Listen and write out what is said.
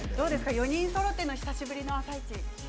４人そろっての久しぶりの「あさイチ」。